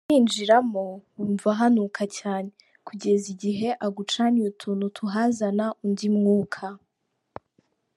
Ucyinjiramo wumva hanuka cyane, kugeza igihe agucaniye utuntu tuhazana undi mwuka.